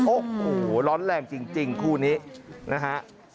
โอ้โหร้อนแรงจริงคู่นี้นะฮะ